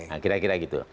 nah kira kira gitu